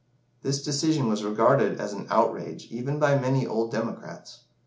This decision was regarded as an outrage even by many old Democrats.